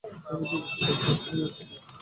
তিনি বিবেচিত।